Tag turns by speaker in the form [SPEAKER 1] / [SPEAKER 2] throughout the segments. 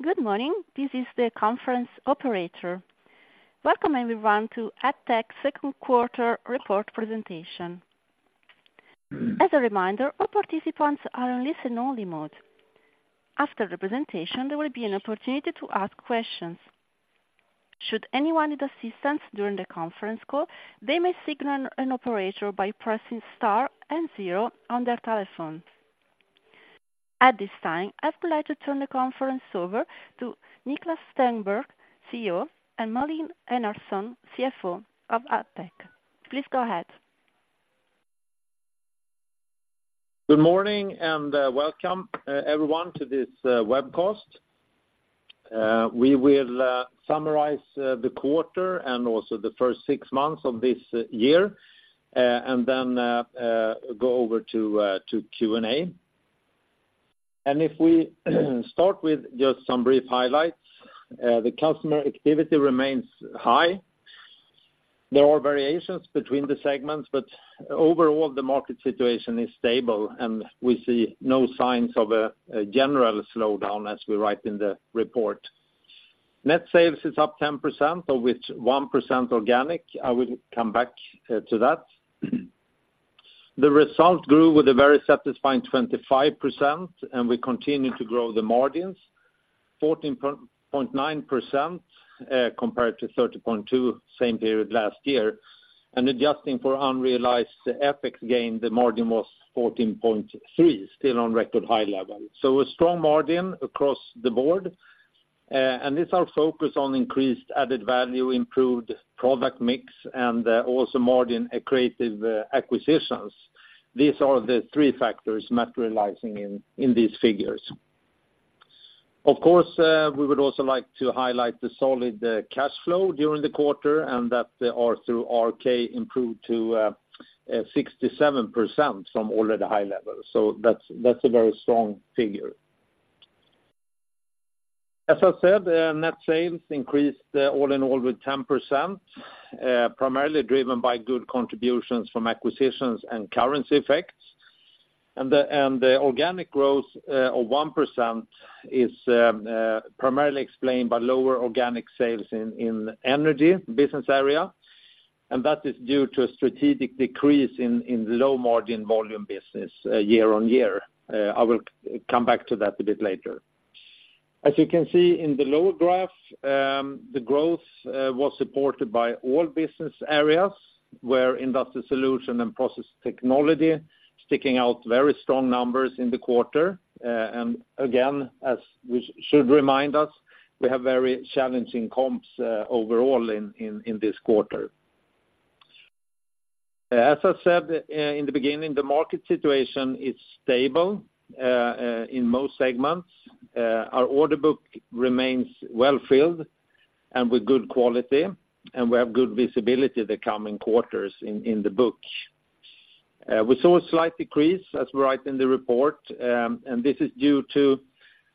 [SPEAKER 1] Good morning, this is the conference operator. Welcome everyone to Addtech second quarter report presentation. As a reminder, all participants are in listen-only mode. After the presentation, there will be an opportunity to ask questions. Should anyone need assistance during the conference call, they may signal an operator by pressing star and zero on their telephone. At this time, I would like to turn the conference over to Niklas Stenberg, CEO, and Malin Enarson, CFO of Addtech. Please go ahead.
[SPEAKER 2] Good morning, and welcome everyone to this webcast. We will summarize the quarter and also the first six months of this year, and then go over to Q&A. If we start with just some brief highlights, the customer activity remains high. There are variations between the segments, but overall the market situation is stable, and we see no signs of a general slowdown as we write in the report. Net sales is up 10%, of which 1% organic. I will come back to that. The results grew with a very satisfying 25%, and we continued to grow the margins, 14.9%, compared to 13.02%, same period last year. Adjusting for unrealized FX gain, the margin was 14.3%, still on record high level. So a strong margin across the board, and it's our focus on increased added value, improved product mix, and also margin accretive acquisitions. These are the three factors materializing in these figures. Of course, we would also like to highlight the solid cash flow during the quarter, and that the R/WC improved to 67% from already high levels. So that's a very strong figure. As I said, net sales increased all in all with 10%, primarily driven by good contributions from acquisitions and currency effects. The organic growth of 1% is primarily explained by lower organic sales in Energy business area. That is due to a strategic decrease in low margin volume business year-on-year. I will come back to that a bit later. As you can see in the lower graph, the growth was supported by all business areas, where Industrial Solutions and Process Technology sticking out very strong numbers in the quarter. And again, as we should remind us, we have very challenging comps overall in this quarter. As I said in the beginning, the market situation is stable in most segments. Our order book remains well filled and with good quality, and we have good visibility the coming quarters in the book. We saw a slight decrease, as we write in the report, and this is due to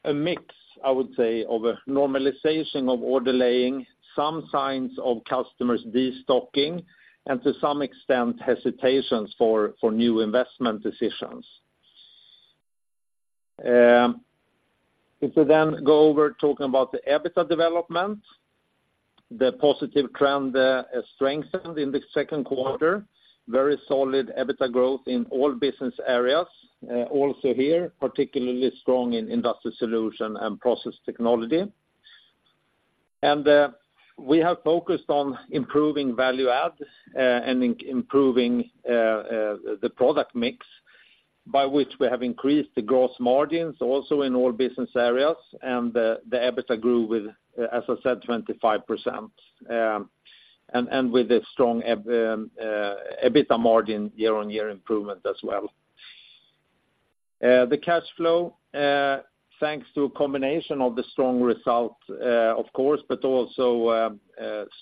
[SPEAKER 2] a mix, I would say, of a normalization of order laying, some signs of customers destocking, and to some extent, hesitations for new investment decisions. If we then go over talking about the EBITDA development, the positive trend strengthened in the second quarter, very solid EBITDA growth in all business areas. Also here, particularly strong in Industrial Solutions and Process Technology. We have focused on improving value add and improving the product mix, by which we have increased the gross margins also in all business areas, and the EBITDA grew with, as I said, 25%, and with a strong EBITDA margin year-on-year improvement as well. The cash flow thanks to a combination of the strong results, of course, but also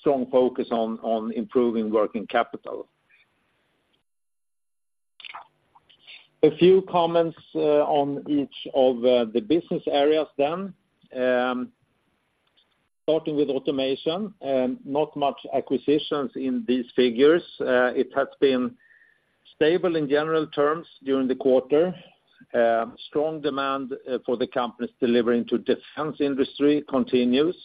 [SPEAKER 2] strong focus on improving working capital. A few comments on each of the business areas then. Starting with Automation, not much acquisitions in these figures. It has been stable in general terms during the quarter. Strong demand for the company's delivering to defense industry continues.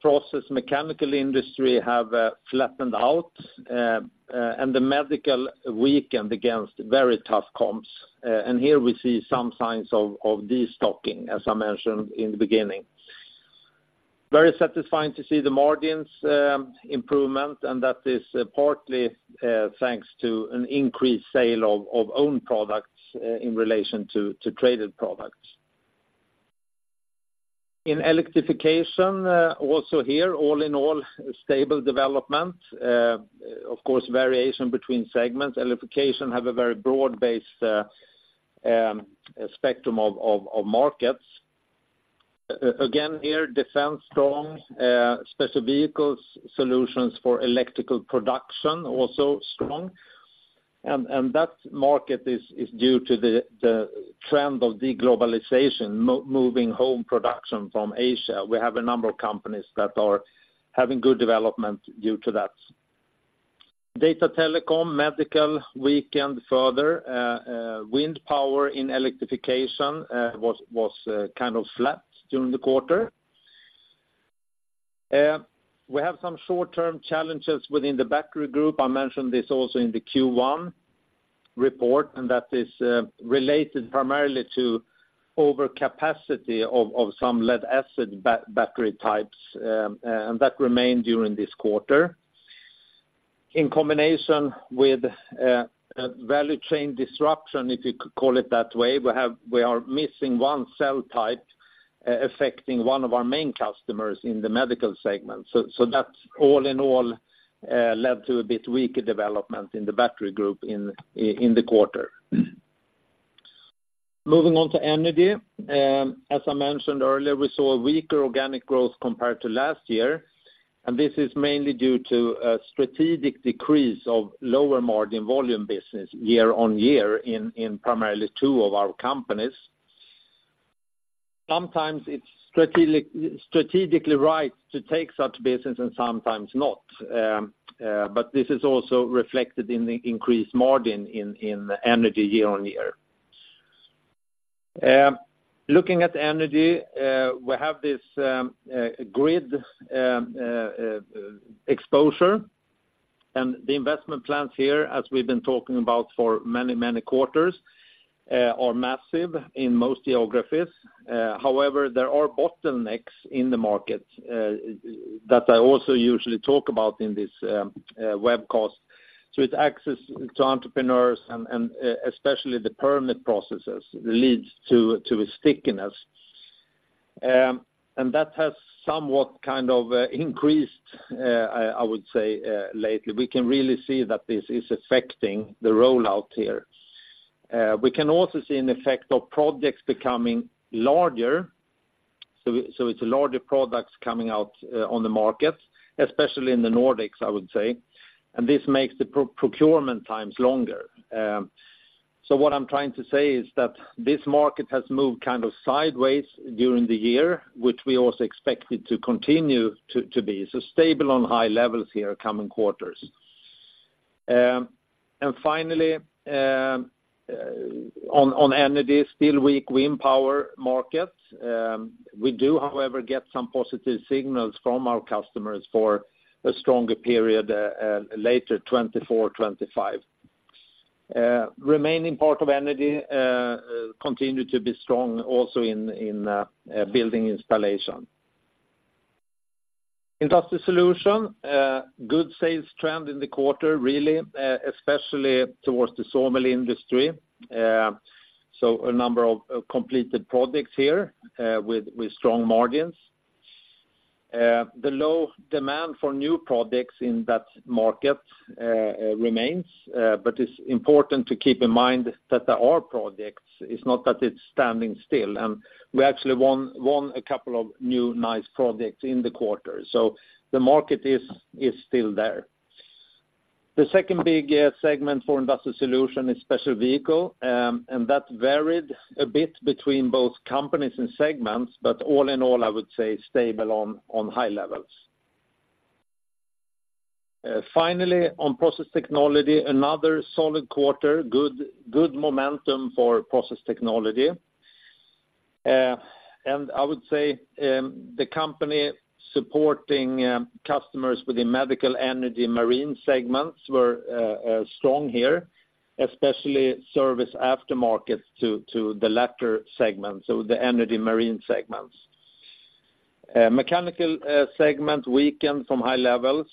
[SPEAKER 2] Process mechanical industry have flattened out, and the medical weakened against very tough comps, and here we see some signs of destocking, as I mentioned in the beginning. Very satisfying to see the margins improvement, and that is partly thanks to an increased sale of own products in relation to traded products. In Electrification, also here, all in all, stable development, of course, variation between segments. Electrification have a very broad base, spectrum of markets. Again, here, defense strong, special vehicles, solutions for electrical production, also strong. And that market is due to the trend of de-globalization, moving home production from Asia. We have a number of companies that are having good development due to that. Data telecom, medical weakened further. Wind power in electrification was kind of flat during the quarter. We have some short-term challenges within the battery group. I mentioned this also in the Q1 report, and that is related primarily to overcapacity of some lead-acid battery types, and that remained during this quarter. In combination with a value chain disruption, if you could call it that way, we are missing one cell type, affecting one of our main customers in the medical segment. So that's all in all led to a bit weaker development in the battery group in the quarter. Moving on to energy. As I mentioned earlier, we saw a weaker organic growth compared to last year, and this is mainly due to a strategic decrease of lower margin volume business year-on-year primarily two of our companies. Sometimes it's strategically right to take such business and sometimes not, but this is also reflected in the increased margin in energy year-on-year. Looking at energy, we have this grid exposure, and the investment plans here, as we've been talking about for many, many quarters, are massive in most geographies. However, there are bottlenecks in the market that I also usually talk about in this web course. So it's access to entrepreneurs and especially the permit processes leads to a stickiness. And that has somewhat kind of increased, I would say, lately. We can really see that this is affecting the rollout here. We can also see an effect of projects becoming larger. So it's larger products coming out on the markets, especially in the Nordics, I would say, and this makes the procurement times longer. So what I'm trying to say is that this market has moved kind of sideways during the year, which we also expect it to continue to be. So stable on high levels here coming quarters. And finally, on energy, still weak wind power markets. We do, however, get some positive signals from our customers for a stronger period later 2024, 2025. Remaining part of Energy continued to be strong also in building installation. Industrial Solutions good sales trend in the quarter, really, especially towards the sawmill industry. So a number of completed projects here with strong margins. The low demand for new products in that market remains, but it's important to keep in mind that there are projects. It's not that it's standing still, and we actually won a couple of new nice projects in the quarter. So the market is still there. The second big segment for Industrial Solutions is special vehicle, and that varied a bit between both companies and segments, but all in all, I would say stable on high levels. Finally, on Process Technology, another solid quarter. Good momentum for Process Technology. And I would say the company supporting customers within medical, energy, marine segments were strong here, especially service aftermarkets to the latter segment, so the energy marine segments. Mechanical segment weakened from high levels.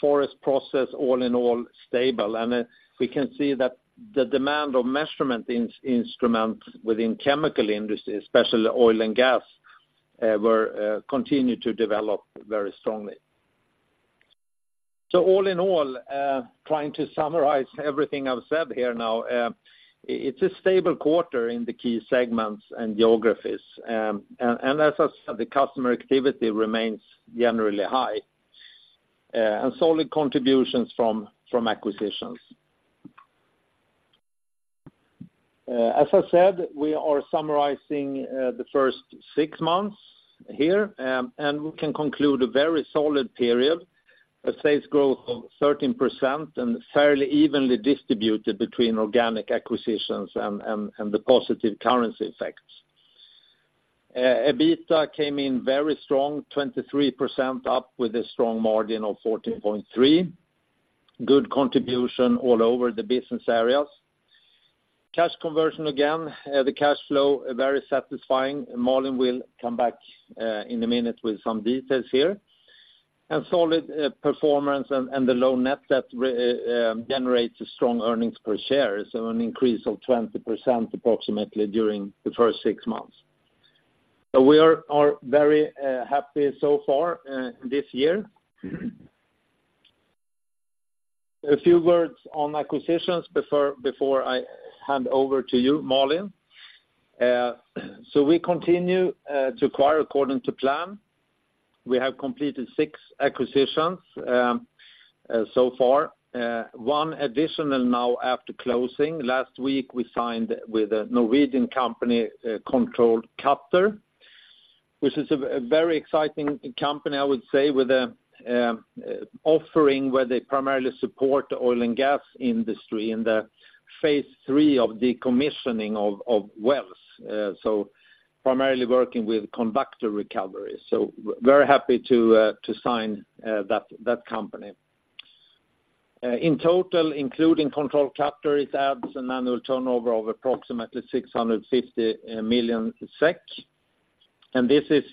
[SPEAKER 2] Forest process, all in all, stable, and we can see that the demand of measurement instruments within chemical industry, especially oil and gas, were continued to develop very strongly. So all in all, trying to summarize everything I've said here now, it's a stable quarter in the key segments and geographies. And as I said, the customer activity remains generally high, and solid contributions from acquisitions. As I said, we are summarizing the first six months here, and we can conclude a very solid period, a sales growth of 13%, and fairly evenly distributed between organic acquisitions and the positive currency effects. EBITDA came in very strong, 23% up with a strong margin of 14.3%. Good contribution all over the business areas. Cash conversion, again, the cash flow, very satisfying. Malin will come back in a minute with some details here. Solid performance and the low net debt generates a strong earnings per share, so an increase of 20%, approximately, during the first six months. So we are very happy so far this year. A few words on acquisitions before I hand over to you, Malin. So we continue to acquire according to plan. We have completed six acquisitions so far, one additional now after closing. Last week, we signed with a Norwegian company, Control Cutter, which is a very exciting company, I would say, with a offering where they primarily support the oil and gas industry in the phase III of decommissioning of wells. So primarily working with conductor recovery. So very happy to sign that company. In total, including Control Cutter, it adds an annual turnover of approximately 650 million SEK, and this is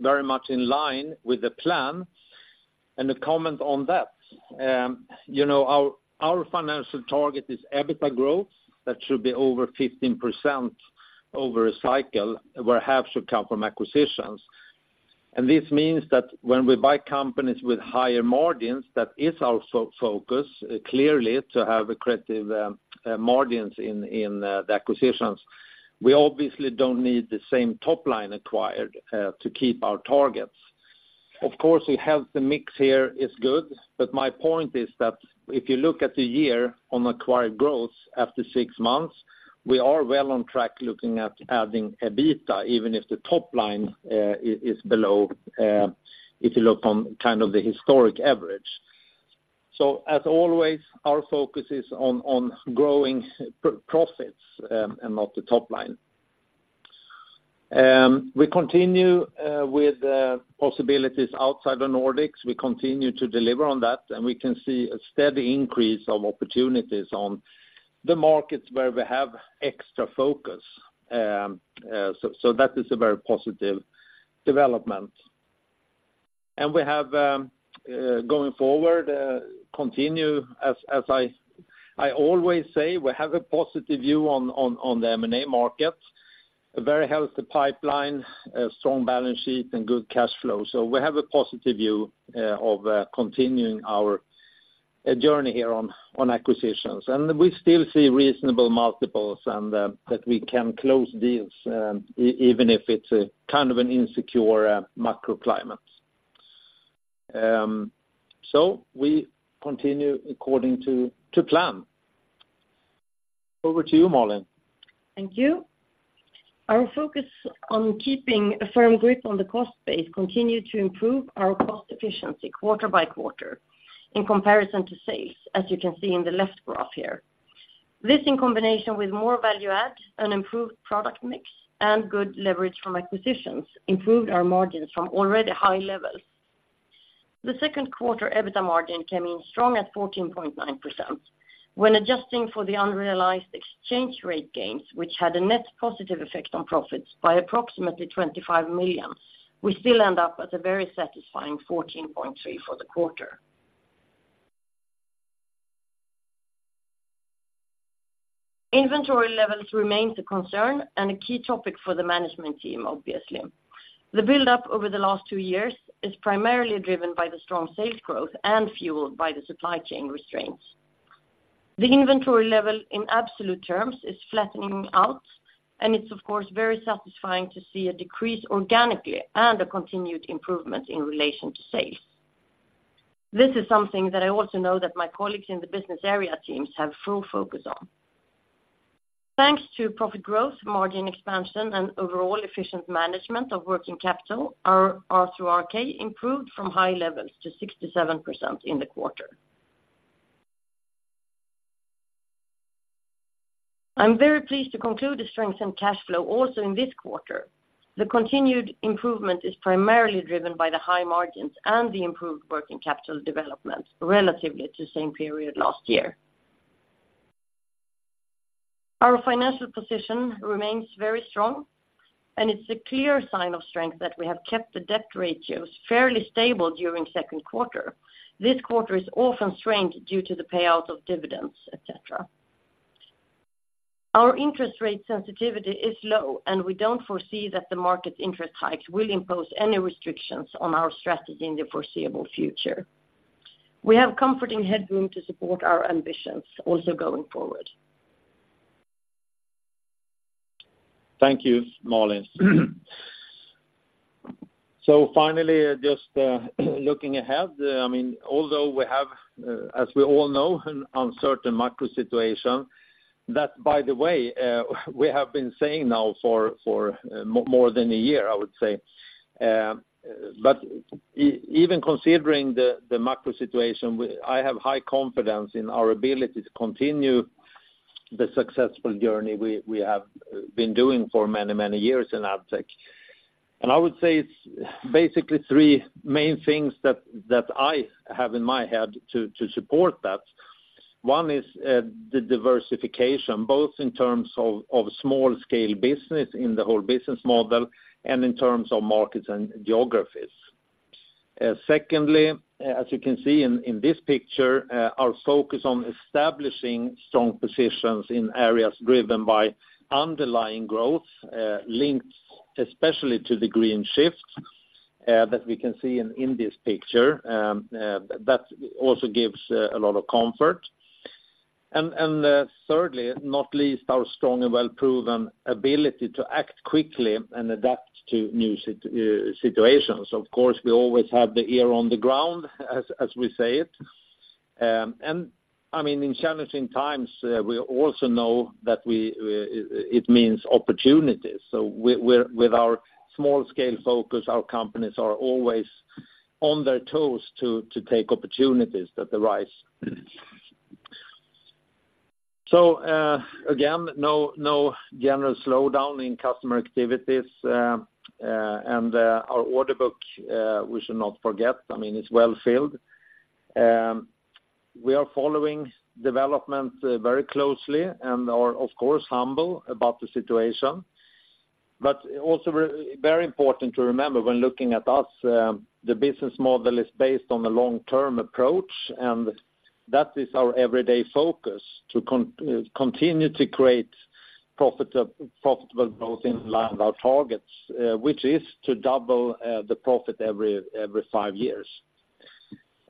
[SPEAKER 2] very much in line with the plan. And a comment on that, you know, our financial target is EBITDA growth. That should be over 15% over a cycle, where half should come from acquisitions. This means that when we buy companies with higher margins, that is our focus, clearly, to have accretive margins in the acquisitions. We obviously don't need the same top line acquired to keep our targets. Of course, a healthy mix here is good, but my point is that if you look at the year on acquired growth after six months, we are well on track looking at adding EBITDA, even if the top line is below if you look on kind of the historic average. So as always, our focus is on growing profits and not the top line. We continue with possibilities outside the Nordics. We continue to deliver on that, and we can see a steady increase of opportunities on the markets where we have extra focus. So that is a very positive development. And we have, going forward, continue, as I always say, we have a positive view on the M&A market, a very healthy pipeline, a strong balance sheet, and good cash flow. So we have a positive view of continuing our journey here on acquisitions. And we still see reasonable multiples and that we can close deals, even if it's a kind of an insecure macro climate. So we continue according to plan. Over to you, Malin.
[SPEAKER 3] Thank you. Our focus on keeping a firm grip on the cost base continued to improve our cost efficiency quarter by quarter in comparison to sales, as you can see in the left graph here. This, in combination with more value add and improved product mix and good leverage from acquisitions, improved our margins from already high levels. The second quarter EBITDA margin came in strong at 14.9%. When adjusting for the unrealized exchange rate gains, which had a net positive effect on profits by approximately 25 million, we still end up at a very satisfying 14.3% for the quarter. Inventory levels remains a concern and a key topic for the management team, obviously. The buildup over the last two years is primarily driven by the strong sales growth and fueled by the supply chain restraints. The inventory level in absolute terms is flattening out, and it's of course, very satisfying to see a decrease organically and a continued improvement in relation to sales. This is something that I also know that my colleagues in the business area teams have full focus on. Thanks to profit growth, margin expansion, and overall efficient management of working capital, our, our ROK improved from high levels to 67% in the quarter. I'm very pleased to conclude the strength in cash flow also in this quarter. The continued improvement is primarily driven by the high margins and the improved working capital development relatively to same period last year. Our financial position remains very strong, and it's a clear sign of strength that we have kept the debt ratios fairly stable during second quarter. This quarter is often strained due to the payout of dividends, et cetera. Our interest rate sensitivity is low, and we don't foresee that the market interest hikes will impose any restrictions on our strategy in the foreseeable future. We have comforting headroom to support our ambitions also going forward.
[SPEAKER 2] Thank you, Malin. So finally, just looking ahead, I mean, although we have, as we all know, an uncertain macro situation, that, by the way, we have been saying now for more than a year, I would say. But even considering the macro situation, I have high confidence in our ability to continue the successful journey we have been doing for many, many years in Addtech. And I would say it's basically three main things that I have in my head to support that. One is the diversification, both in terms of small scale business in the whole business model and in terms of markets and geographies. Secondly, as you can see in this picture, our focus on establishing strong positions in areas driven by underlying growth, linked especially to the green shift, that we can see in this picture, that also gives a lot of comfort. And thirdly, not least, our strong and well-proven ability to act quickly and adapt to new situations. Of course, we always have the ear on the ground, as we say it. And I mean, in challenging times, we also know that it means opportunities. So with our small scale focus, our companies are always on their toes to take opportunities that arise. Again, no general slowdown in customer activities, and our order book, we should not forget, I mean, it's well-filled. We are following development very closely and are, of course, humble about the situation. But also very, very important to remember when looking at us, the business model is based on the long-term approach, and that is our everyday focus, to continue to create profitable growth in line with our targets, which is to double the profit every five years.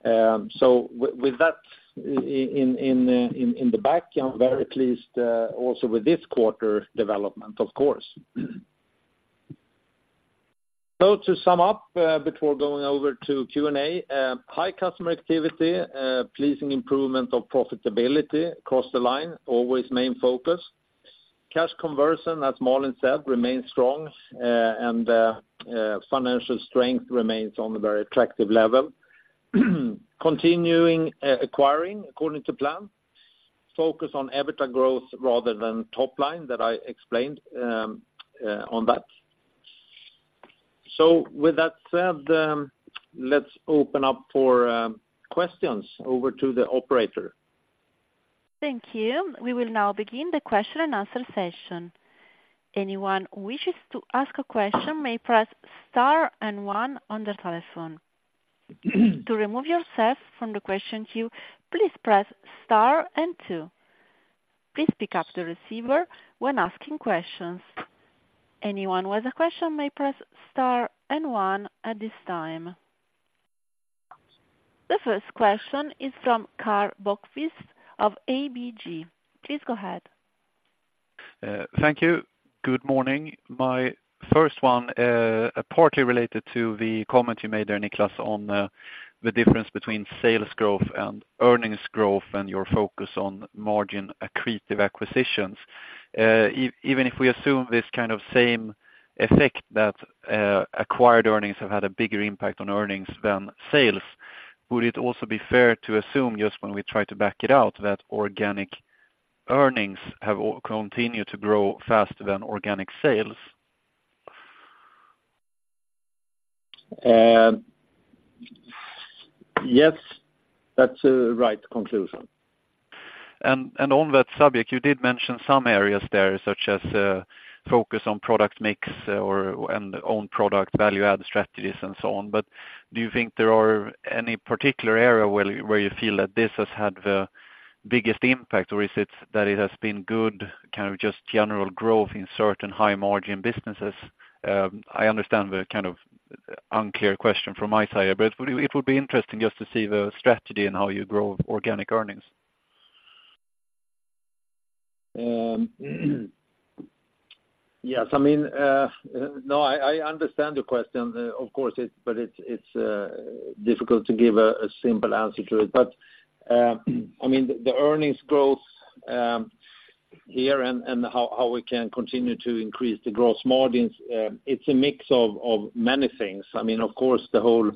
[SPEAKER 2] So with that in the back, I'm very pleased also with this quarter development, of course. To sum up, before going over to Q&A, high customer activity, pleasing improvement of profitability across the line, always main focus. Cash conversion, as Malin said, remains strong, and financial strength remains on a very attractive level. Continuing, acquiring according to plan, focus on EBITDA growth rather than top line, that I explained, on that. So with that said, let's open up for questions. Over to the operator.
[SPEAKER 1] Thank you. We will now begin the question and answer session. Anyone who wishes to ask a question may press star and one on their telephone. To remove yourself from the question queue, please press star and two. Please pick up the receiver when asking questions. Anyone with a question may press star and one at this time. The first question is from Karl Bokvist of ABG. Please go ahead.
[SPEAKER 4] Thank you. Good morning. My first one, partly related to the comment you made there, Niklas, on the difference between sales growth and earnings growth and your focus on margin accretive acquisitions. Even if we assume this kind of same effect that acquired earnings have had a bigger impact on earnings than sales, would it also be fair to assume, just when we try to back it out, that organic earnings have continued to grow faster than organic sales?
[SPEAKER 2] Yes, that's a right conclusion.
[SPEAKER 4] And on that subject, you did mention some areas there, such as focus on product mix or and own product value-add strategies and so on. But do you think there are any particular area where you feel that this has had the biggest impact, or is it that it has been good, kind of just general growth in certain high-margin businesses? I understand the kind of unclear question from my side, but it would be interesting just to see the strategy and how you grow organic earnings.
[SPEAKER 2] Yes, I mean, no, I understand the question. Of course, but it's difficult to give a simple answer to it. But I mean, the earnings growth here and how we can continue to increase the gross margins, it's a mix of many things. I mean, of course, the whole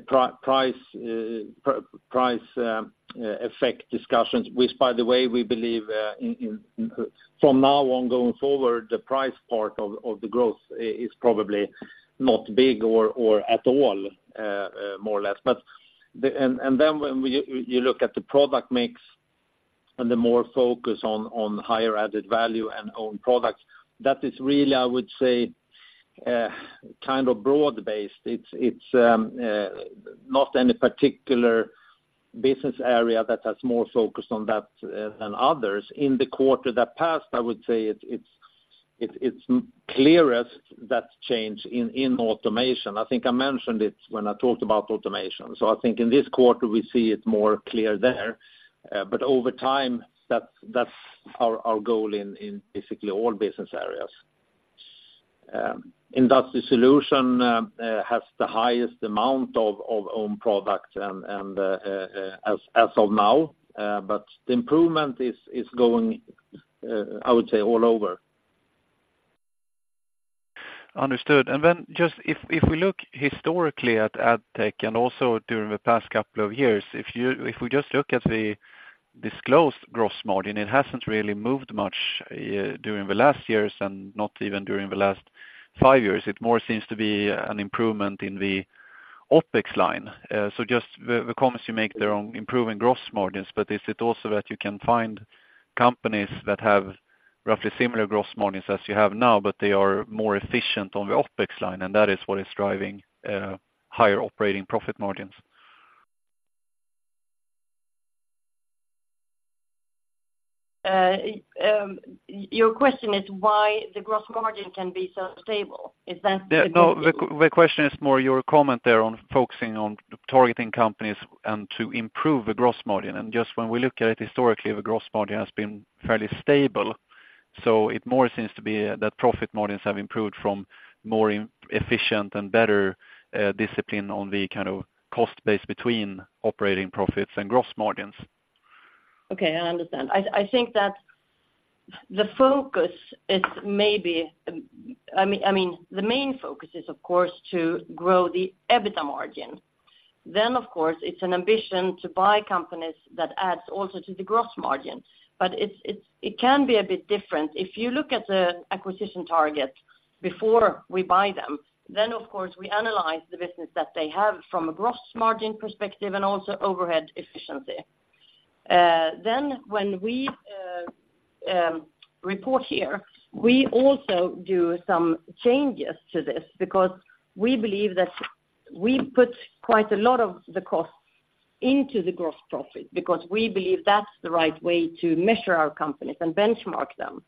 [SPEAKER 2] price effect discussions, which, by the way, we believe in from now on going forward, the price part of the growth is probably not big or at all, more or less. But then when you look at the product mix and the more focus on higher added value and own products, that is really, I would say, kind of broad-based. It's not any particular business area that has more focus on that than others. In the quarter that passed, I would say it's clearest that change in Automation. I think I mentioned it when I talked about Automation. So I think in this quarter, we see it more clear there. But over time, that's our goal in basically all business areas. Industrial Solutions has the highest amount of own products and as of now, but the improvement is going, I would say, all over.
[SPEAKER 4] Understood. And then just if, if we look historically at Addtech and also during the past couple of years, if you, if we just look at the disclosed gross margin, it hasn't really moved much, during the last years and not even during the last five years. It more seems to be an improvement in the OpEx line. So just the, the comments you make there on improving gross margins, but is it also that you can find companies that have roughly similar gross margins as you have now, but they are more efficient on the OpEx line, and that is what is driving, higher operating profit margins?
[SPEAKER 3] Your question is why the gross margin can be so stable? Is that it?
[SPEAKER 4] Yeah, no, the question is more your comment there on focusing on targeting companies and to improve the gross margin. And just when we look at it historically, the gross margin has been fairly stable. So it more seems to be that profit margins have improved from more efficient and better discipline on the kind of cost base between operating profits and gross margins.
[SPEAKER 3] Okay, I understand. I think that the focus is maybe, I mean, the main focus is, of course, to grow the EBITDA margin. Then, of course, it's an ambition to buy companies that adds also to the gross margin. But it can be a bit different. If you look at the acquisition target before we buy them, then of course, we analyze the business that they have from a gross margin perspective and also overhead efficiency. Then when we report here, we also do some changes to this, because we believe that we put quite a lot of the costs into the gross profit, because we believe that's the right way to measure our companies and benchmark them.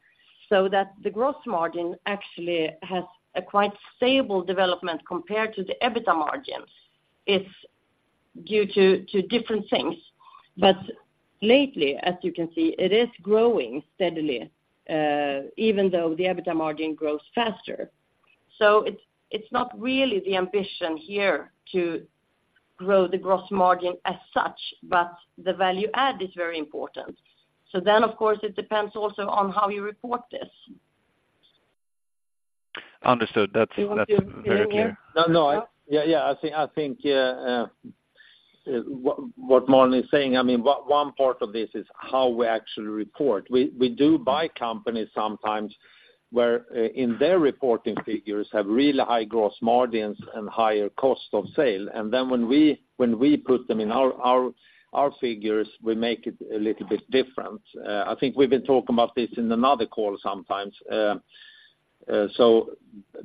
[SPEAKER 3] So that the gross margin actually has a quite stable development compared to the EBITDA margins. It's due to different things. Lately, as you can see, it is growing steadily, even though the EBITDA margin grows faster. So it's, it's not really the ambition here to grow the gross margin as such, but the value add is very important. So then, of course, it depends also on how you report this.
[SPEAKER 4] Understood. That's, that's very clear.
[SPEAKER 3] Do you want to add here?
[SPEAKER 2] No, no. Yeah, yeah, I think, I think, yeah, what Malin is saying, I mean, one part of this is how we actually report. We, we do buy companies sometimes where, in their reporting figures, have really high gross margins and higher cost of sale. And then when we, when we put them in our, our, our figures, we make it a little bit different. I think we've been talking about this in another call sometimes. So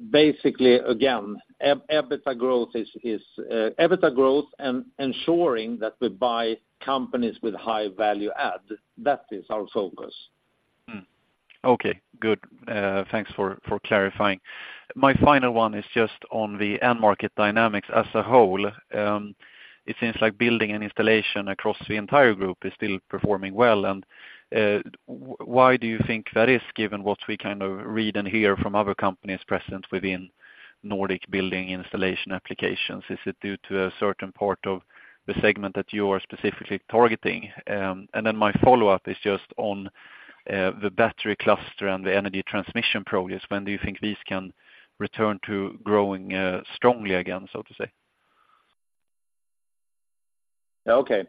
[SPEAKER 2] basically, again, EBITDA growth is, is, EBITDA growth and ensuring that we buy companies with high value add, that is our focus.
[SPEAKER 4] Okay, good. Thanks for clarifying. My final one is just on the end market dynamics as a whole. It seems like building and installation across the entire group is still performing well. Why do you think that is, given what we kind of read and hear from other companies present within Nordic building installation applications? Is it due to a certain part of the segment that you are specifically targeting? And then my follow-up is just on the battery cluster and the energy transmission progress. When do you think these can return to growing strongly again, so to say?
[SPEAKER 2] Okay.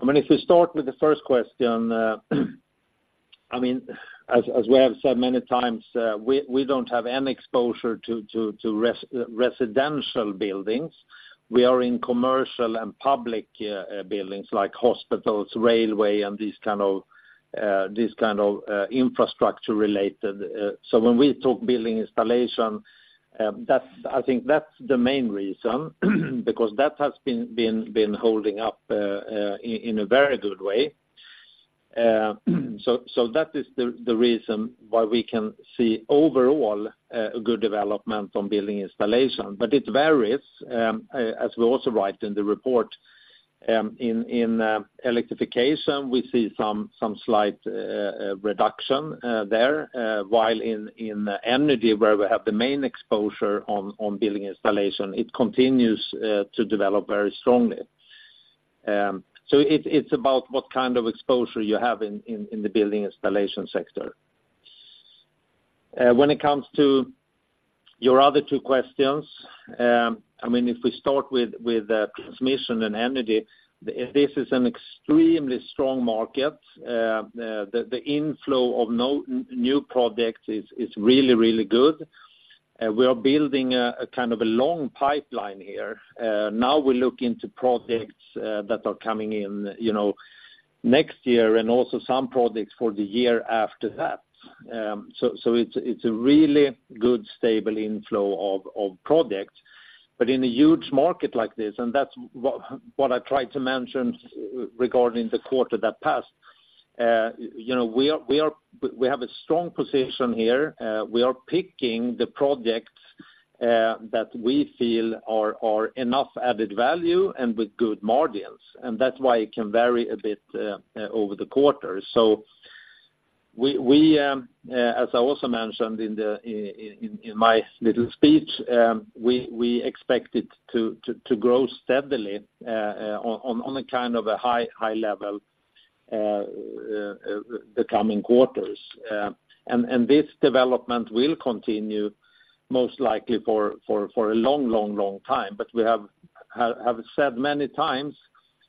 [SPEAKER 2] I mean, if we start with the first question, I mean, as we have said many times, we don't have any exposure to residential buildings. We are in commercial and public buildings like hospitals, railway, and this kind of infrastructure related. So when we talk building installation, that's, I think that's the main reason, because that has been holding up in a very good way. So that is the reason why we can see overall a good development on building installation. But it varies, as we also write in the report, in Electrification, we see some slight reduction there, while in Energy, where we have the main exposure on building installation, it continues to develop very strongly. So it's about what kind of exposure you have in the building installation sector. When it comes to your other two questions, I mean, if we start with transmission and Energy, this is an extremely strong market. The inflow of new products is really good. We are building a kind of long pipeline here. Now we look into projects that are coming in, you know, next year, and also some projects for the year after that. So it's a really good, stable inflow of products. But in a huge market like this, and that's what I tried to mention regarding the quarter that passed, you know, we have a strong position here. We are picking the projects that we feel are enough added value and with good margins, and that's why it can vary a bit over the quarter. So, as I also mentioned in my little speech, we expect it to grow steadily on a kind of a high level the coming quarters. And this development will continue, most likely for a long time. But we have said many times,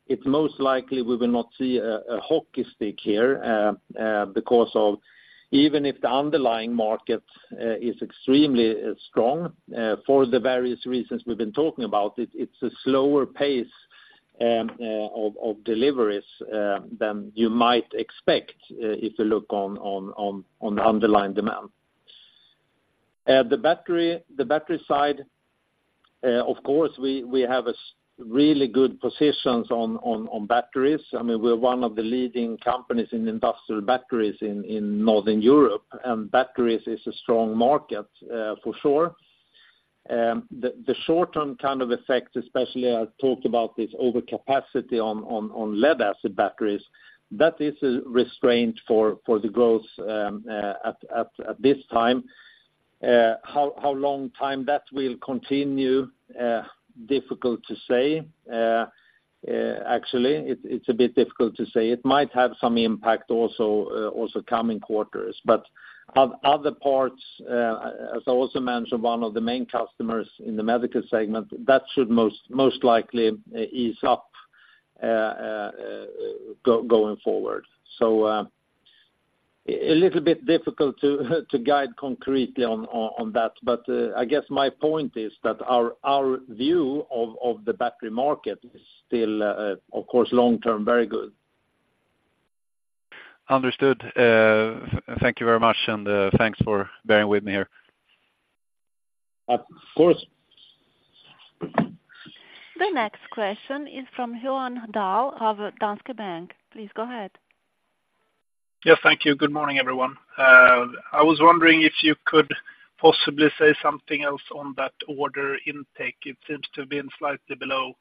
[SPEAKER 2] it's most likely we will not see a hockey stick here, because of even if the underlying market is extremely strong for the various reasons we've been talking about, it's a slower pace of deliveries than you might expect if you look on the underlying demand. The battery side, of course, we have a really good positions on batteries. I mean, we're one of the leading companies in industrial batteries in Northern Europe, and batteries is a strong market for sure. The short term kind of effect, especially I talked about this overcapacity on lead acid batteries, that is a restraint for the growth at this time. How long time that will continue, difficult to say. Actually, it's a bit difficult to say. It might have some impact also, also coming quarters. But on other parts, as I also mentioned, one of the main customers in the medical segment, that should most likely ease up, going forward. So, a little bit difficult to guide concretely on that, but I guess my point is that our view of the battery market is still, of course, long term, very good.
[SPEAKER 4] Understood. Thank you very much, and thanks for bearing with me here.
[SPEAKER 2] Of course.
[SPEAKER 1] The next question is from Johan Dahl of Danske Bank. Please go ahead.
[SPEAKER 5] Yes, thank you. Good morning, everyone. I was wondering if you could possibly say something else on that order intake. It seems to have been slightly below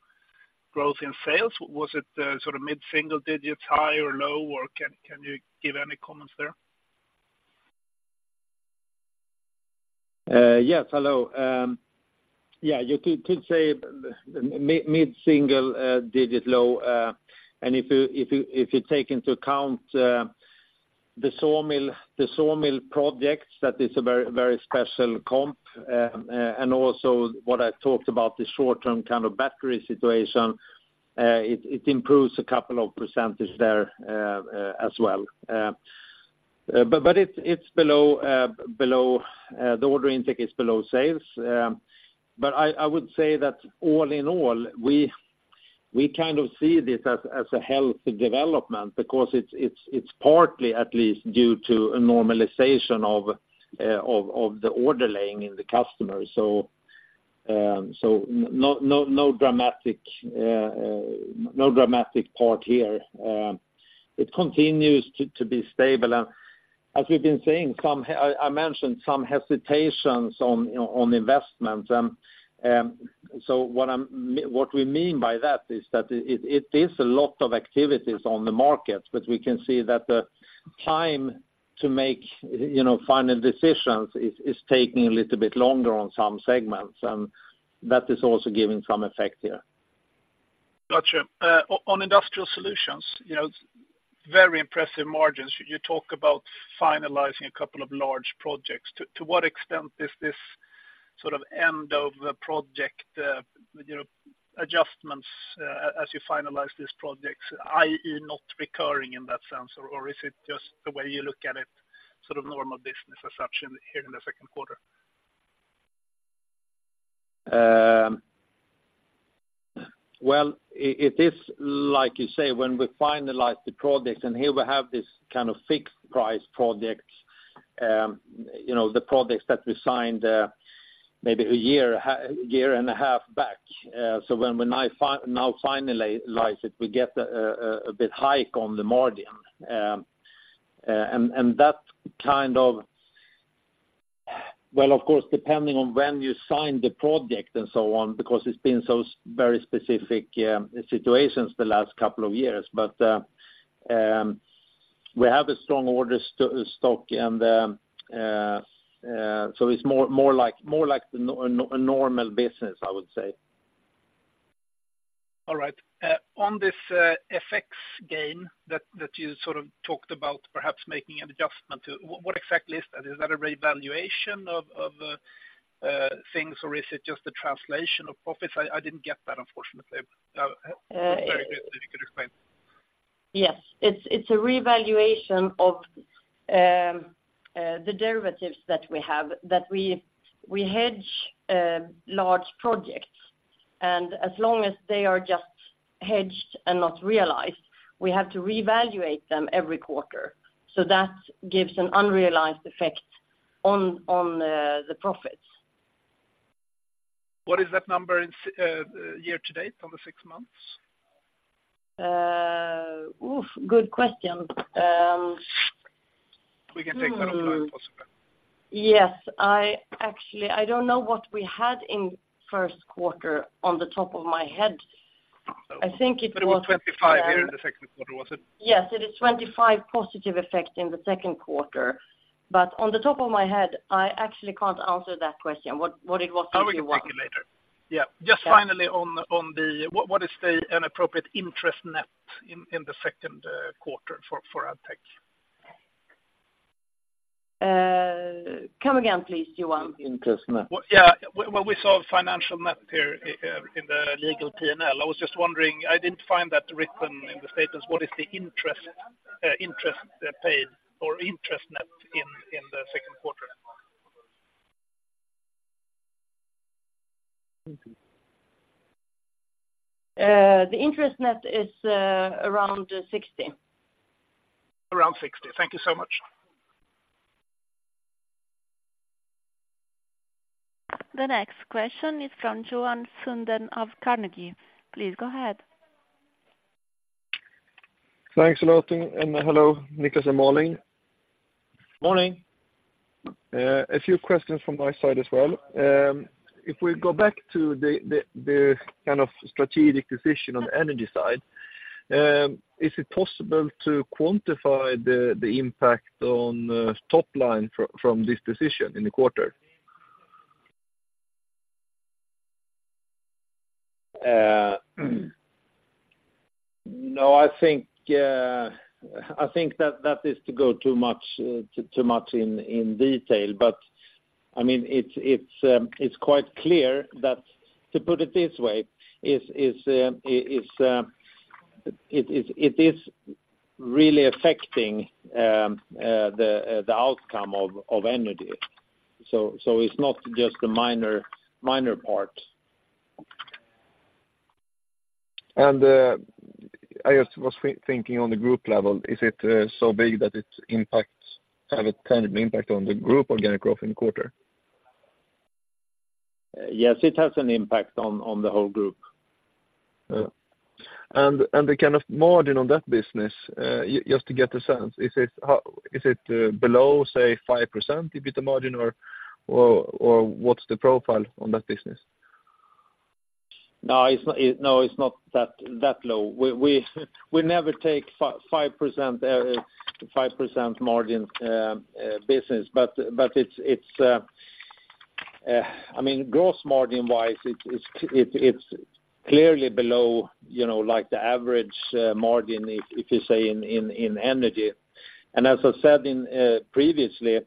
[SPEAKER 5] growth in sales. Was it sort of mid-single digits, high or low, or can you give any comments there?
[SPEAKER 2] Yes, hello. Yeah, you could say mid-single-digit low. And if you take into account the sawmill projects, that is a very, very special comp. And also what I talked about, the short-term kind of battery situation, it improves a couple of percentage there as well. But it's below, the order intake is below sales. But I would say that all in all, we kind of see this as a healthy development, because it's partly at least due to a normalization of the order laying in the customer. So no dramatic part here. It continues to be stable. As we've been saying, I mentioned some hesitations on investment. So what we mean by that is that it is a lot of activities on the market, but we can see that the time to make, you know, final decisions is taking a little bit longer on some segments, and that is also giving some effect here.
[SPEAKER 5] Gotcha. On industrial solutions, you know, very impressive margins. You talk about finalizing a couple of large projects. To what extent is this sort of end of the project, you know, adjustments as you finalize these projects, i.e., not recurring in that sense, or is it just the way you look at it, sort of normal business as such in here in the second quarter?
[SPEAKER 2] Well, it is like you say, when we finalize the project, and here we have this kind of fixed price project, you know, the projects that we signed, maybe a year and a half back. So when we now finalize it, we get a bit hike on the margin. And that kind of, Well, of course, depending on when you sign the project and so on, because it's been so very specific situations the last couple of years. But we have a strong order stock, and so it's more like a normal business, I would say.
[SPEAKER 5] All right. On this FX gain that you sort of talked about, perhaps making an adjustment to, what exactly is that? Is that a revaluation of things, or is it just a translation of profits? I didn't get that, unfortunately. If you could explain.
[SPEAKER 3] Yes, it's a revaluation of the derivatives that we have, that we hedge large projects. And as long as they are just hedged and not realized, we have to reevaluate them every quarter. So that gives an unrealized effect on the profits.
[SPEAKER 5] What is that number in SEK, year-to-date on the six months?
[SPEAKER 3] Oof, good question.
[SPEAKER 5] We can take that offline, if possible.
[SPEAKER 3] Yes, I actually don't know what we had in first quarter off the top of my head. I think it was-
[SPEAKER 5] It was 25 here in the second quarter, was it?
[SPEAKER 3] Yes, it is 25 positive effect in the second quarter, but off the top of my head, I actually can't answer that question, what, what it was in Q1.
[SPEAKER 5] I will get back to you later. Yeah.
[SPEAKER 3] Yeah.
[SPEAKER 5] Just finally, what is an appropriate interest net in the second quarter for Addtech?
[SPEAKER 3] Come again, please, Johan.
[SPEAKER 2] Interest net.
[SPEAKER 5] Yeah. Well, we saw financial net here in the legal P&L. I was just wondering, I didn't find that written in the statements. What is the interest, interest paid or interest net in the second quarter?
[SPEAKER 3] The net interest is around 60.
[SPEAKER 5] Around 60. Thank you so much.
[SPEAKER 1] The next question is from Johan Sjöberg of Carnegie. Please go ahead.
[SPEAKER 6] Thanks a lot, and hello, Niklas and Malin.
[SPEAKER 2] Morning.
[SPEAKER 6] A few questions from my side as well. If we go back to the kind of strategic decision on the energy side, is it possible to quantify the impact on top line from this decision in the quarter?
[SPEAKER 2] No, I think that is to go too much in detail. But, I mean, it's quite clear that, to put it this way, it is really affecting the outcome of energy. So, it's not just a minor part.
[SPEAKER 6] And, I just was thinking on the group level, is it so big that it impacts, have a tangible impact on the group organic growth in the quarter?
[SPEAKER 2] Yes, it has an impact on the whole group.
[SPEAKER 6] And the kind of margin on that business, just to get a sense, is it below, say, 5% EBITDA margin, or what's the profile on that business?
[SPEAKER 2] No, it's not that low. We never take 5%, 5% margin business. But it's, I mean, gross margin-wise, it's clearly below, you know, like, the average margin if you say in energy. And as I said previously,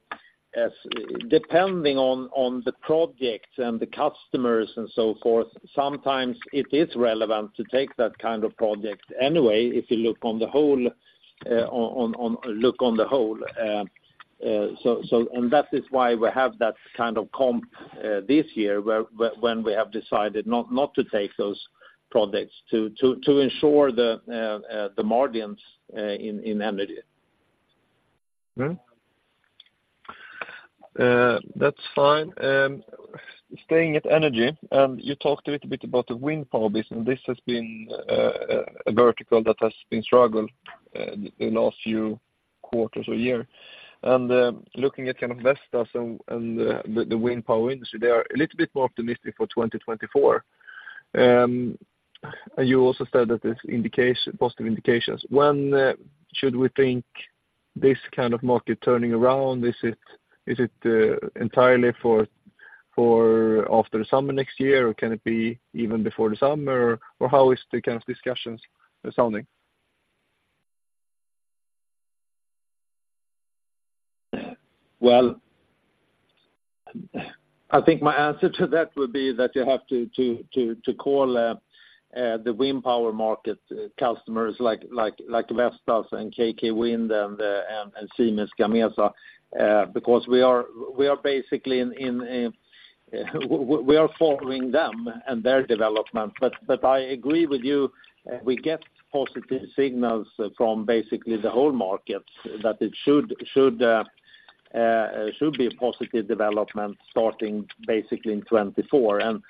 [SPEAKER 2] depending on the projects and the customers and so forth, sometimes it is relevant to take that kind of project anyway, if you look on the whole. So, and that is why we have that kind of comp this year, where when we have decided not to take those projects to ensure the margins in energy.
[SPEAKER 6] Mm-hmm. That's fine. Staying at energy, and you talked a little bit about the wind power business. This has been a vertical that has been struggled in the last few quarters or year. And looking at kind of Vestas and the wind power industry, they are a little bit more optimistic for 2024. And you also said that there's indications, positive indications. When should we think this kind of market turning around? Is it entirely for after the summer next year, or can it be even before the summer? Or how is the kind of discussions sounding?
[SPEAKER 2] Well, I think my answer to that would be that you have to call the wind power market customers like Vestas and KK Wind and Siemens Gamesa, because we are basically following them and their development. But I agree with you, we get positive signals from basically the whole market, that it should be a positive development starting basically in 2024. And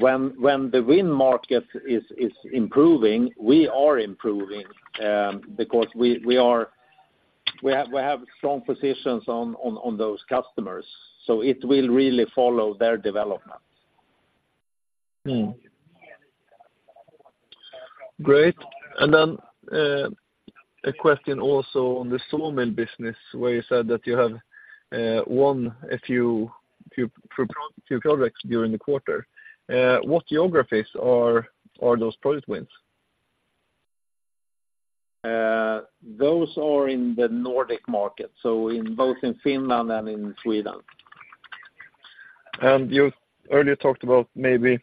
[SPEAKER 2] when the wind market is improving, we are improving, because we have strong positions on those customers, so it will really follow their development.
[SPEAKER 6] Mm. Great. And then, a question also on the sawmill business, where you said that you have won a few projects during the quarter. What geographies are those project wins?
[SPEAKER 2] Those are in the Nordic market, so in both in Finland and in Sweden.
[SPEAKER 6] You earlier talked about maybe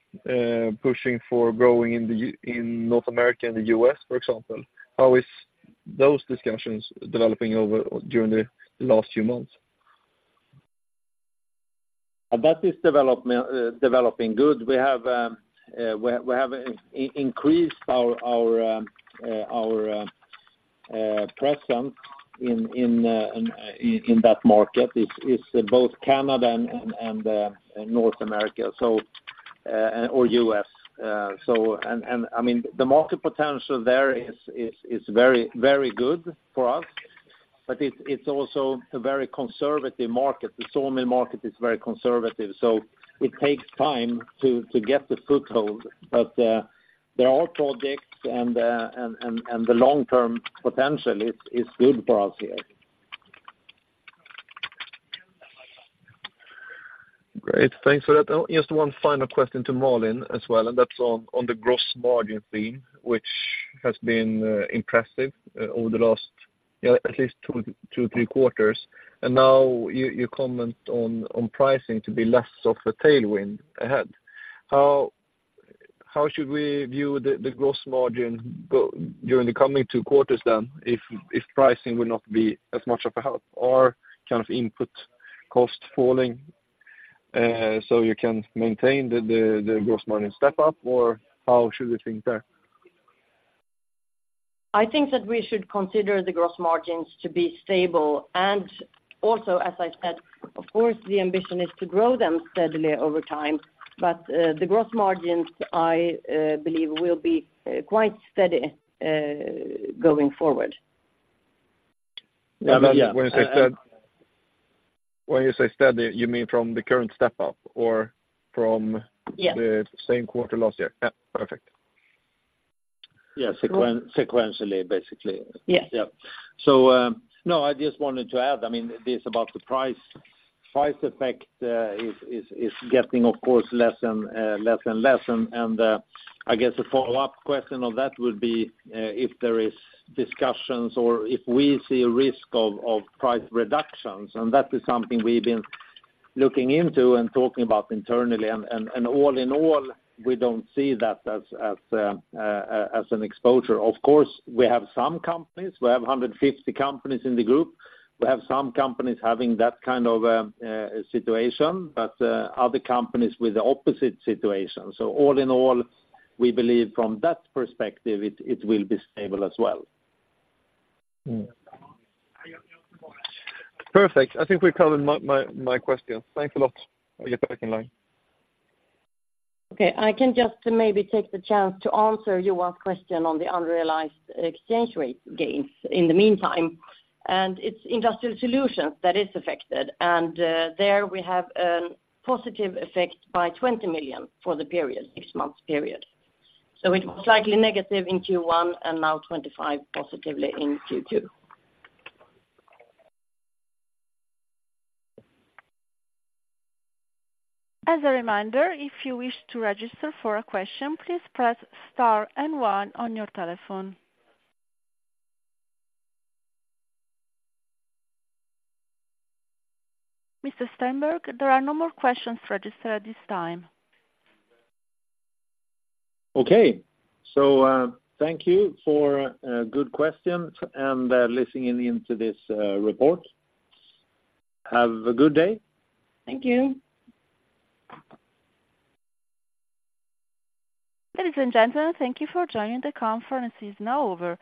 [SPEAKER 6] pushing for growing in the U.S. in North America and the U.S., for example. How is those discussions developing over during the last few months?
[SPEAKER 2] That is developing good. We have increased our presence in that market, both Canada and North America, so or U.S. So, and I mean, the market potential there is very good for us, but it's also a very conservative market. The sawmill market is very conservative, so it takes time to get the foothold. But there are projects and the long-term potential is good for us here.
[SPEAKER 6] Great. Thanks for that. Just one final question to Malin as well, and that's on the gross margin theme, which has been impressive over the last at least two, two, three quarters. And now you comment on pricing to be less of a tailwind ahead. How should we view the gross margin going during the coming two quarters then, if pricing will not be as much of a help, or kind of input cost falling, so you can maintain the gross margin step up, or how should we think there?
[SPEAKER 3] I think that we should consider the gross margins to be stable. And also, as I said, of course, the ambition is to grow them steadily over time. But, the gross margins, I believe will be quite steady, going forward.
[SPEAKER 6] when you say steady, you mean from the current step up or from
[SPEAKER 3] Yes.
[SPEAKER 6] the same quarter last year? Yeah. Perfect.
[SPEAKER 2] Yes, sequentially, basically.
[SPEAKER 3] Yes.
[SPEAKER 2] Yeah. So, no, I just wanted to add, I mean, this about the price, price effect, is getting, of course, less and less. And, I guess a follow-up question on that would be, if there is discussions or if we see a risk of price reductions, and that is something we've been looking into and talking about internally. And, all in all, we don't see that as an exposure. Of course, we have some companies, we have 150 companies in the group. We have some companies having that kind of situation, but other companies with the opposite situation. So all in all, we believe from that perspective, it will be stable as well.
[SPEAKER 6] Mm. Perfect. I think we've covered my question. Thanks a lot. I get back in line.
[SPEAKER 3] Okay. I can just maybe take the chance to answer Johan's question on the unrealized exchange rate gains in the meantime, and it's Industrial Solutions that is affected, and there we have a positive effect by 20 million for the period, six months period. So it was slightly negative in Q1, and now 25 positively in Q2.
[SPEAKER 1] As a reminder, if you wish to register for a question, please press star and one on your telephone. Mr. Stenberg, there are no more questions registered at this time.
[SPEAKER 2] Okay. So, thank you for good questions, and listening in to this report. Have a good day.
[SPEAKER 3] Thank you.
[SPEAKER 1] Ladies and gentlemen, thank you for joining. The conference is now over.